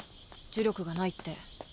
呪力がないって。